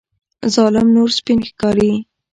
ظالم نور سپین ښکاري.